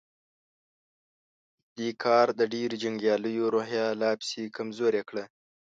دې کار د ډېرو جنګياليو روحيه لا پسې کمزورې کړه.